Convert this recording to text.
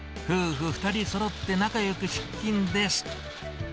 夫婦２人そろって仲よく出勤です。